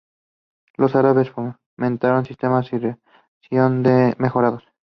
Los árabes fomentaron sistemas de irrigación mejorados.